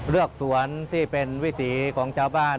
เลือกสวนที่เป็นวิถีของเจ้าบ้าน